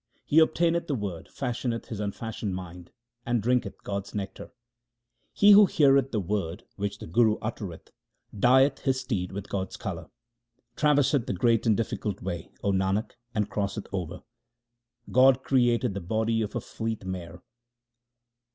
He obtaineth the Word, fashioneth his unfashioned mind, and drinketh God's nectar. He who heareth the Word which the Guru uttereth, dyeth his steed with God's colour, 2 Traverseth the great and difficult way, O Nanak, and crosseth over. God created the body a fleet mare.